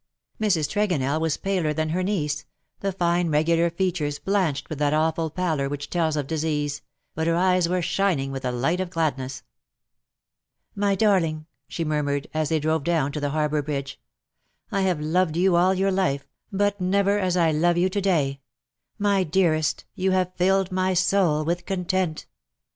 Mrs. Tregonell was paler than her niece, the fine regular features blanched with that awful pallor which tells of disease — but her eyes were shining with the light of gladness. ^'My darling,^' she murmured, as they drove down to the harbour bridge, ^' I have loved you all your life, but never as I love you to day. My dearest, you have filled my soul with content."